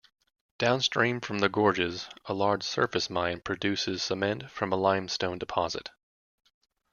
Downstream from the gorges, a large surface mine producing cement from a limestone deposit.